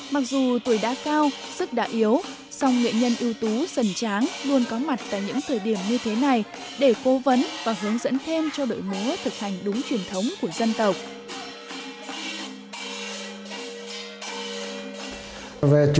mặc dù tuổi đã cao sức đã yếu song nghệ nhân ưu tú sần tráng luôn có mặt tại những thời điểm như thế này để cố vấn và hướng dẫn thêm cho đội múa thực hành đúng truyền thống của dân tộc